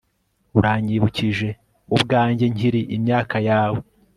Uranyibukije ubwanjye nkiri imyaka yawe